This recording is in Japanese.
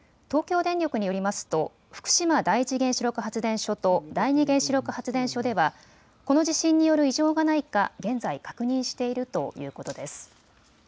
東京電力によりますと福島第一原子力発電所と第二原子力発電所ではこの地震による異常がないか現在確認しているということです。